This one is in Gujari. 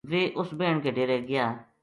ویہ اس بہن کے ڈیرے گیا